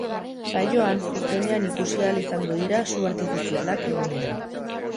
Saioan zuzenean ikusi ahal izango dira su artifizialak egunero.